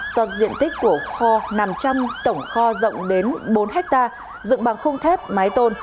do diện tích của kho năm trăm linh tổng kho rộng đến bốn hectare dựng bằng khung thép mái tôn